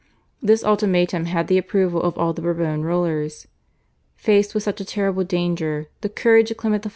This ultimatum had the approval of all the Bourbon rulers. Faced with such a terrible danger, the courage of Clement XIV.